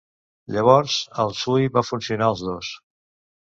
Llavors, el Sui va fusionar els dos.